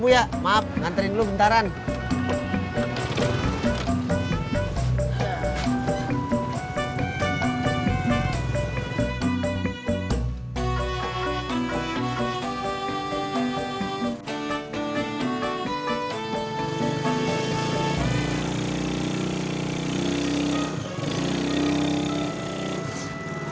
sellah itu smo martos jikeran buruk dan imagine office